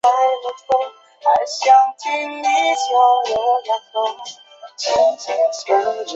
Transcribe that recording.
两个枕叶是人类脑颅皮质四对脑叶最小的一对。